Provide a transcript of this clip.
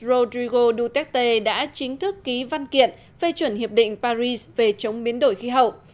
rodrigo duterte đã chính thức ký văn kiện phê chuẩn hiệp định paris về chống biến đổi khí hậu